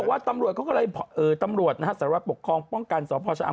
เขาบอกว่าตำรวจใส่วัตรปกครองป้องกันสภชะอ้ำ